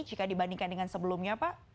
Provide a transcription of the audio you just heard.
jika dibandingkan dengan sebelumnya pak